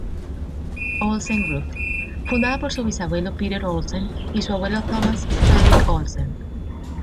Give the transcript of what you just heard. Olsen Group, fundada por su bisabuelo Petter Olsen y su abuelo Thomas Fredrik Olsen.